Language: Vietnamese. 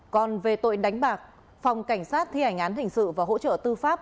còn về tội đánh bạc phòng cảnh sát thi hành án hình sự và hỗ trợ tư pháp